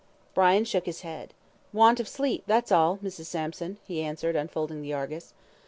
Brian shook his head. "Want of sleep, that's all, Mrs. Sampson," he answered, unfolding the ARGUS.